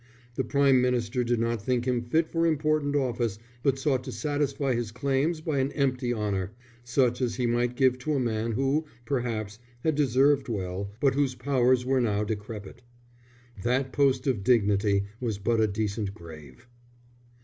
The Prime Minister did not think him fit for important office but sought to satisfy his claims by an empty honour, such as he might give to a man who, perhaps, had deserved well, but whose powers were now decrepit. That post of dignity was but a decent grave.